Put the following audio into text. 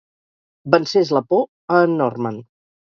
Vencés la por a en Norman.